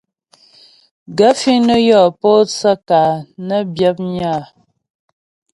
Gaə̂ fíŋ nə́ yɔ́ pótsə́ ka nə́ byə̌pnyə́ a ?